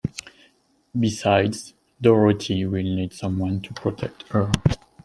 Besides, Dorothy will need someone to protect her.